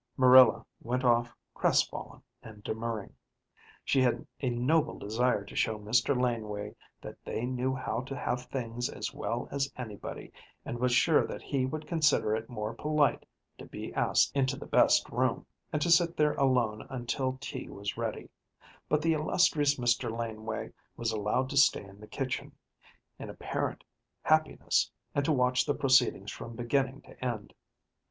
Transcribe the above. Marilla went off crestfallen and demurring. She had a noble desire to show Mr. Laneway that they knew how to have things as well as anybody, and was sure that he would consider it more polite to be asked into the best room, and to sit there alone until tea was ready; but the illustrious Mr. Laneway was allowed to stay in the kitchen, in apparent happiness, and to watch the proceedings from beginning to end.